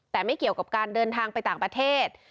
แต่ไม่เกี่ยวกับการเดินทางไปต่างประเทศ